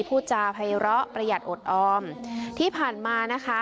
พูดจาภัยร้อประหยัดอดออมที่ผ่านมานะคะ